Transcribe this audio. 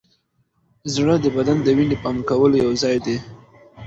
زړه د بدن د وینې پمپ کولو یوځای دی.